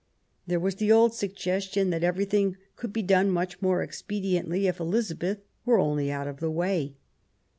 There was the old suggestion that everything could be done much more expediently if Elizabeth were only out of the way.